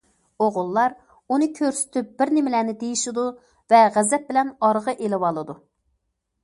ئوغۇللار ئۇنى كۆرسىتىپ، بىر نېمىلەرنى دېيىشىدۇ ۋە غەزەپ بىلەن ئارىغا ئېلىۋالىدۇ.